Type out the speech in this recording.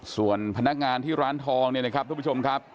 ส่วนพนักงานที่ร้านทองเนี่ยนะครับทุกผู้ชมครับ